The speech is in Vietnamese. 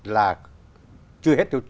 là chưa hết được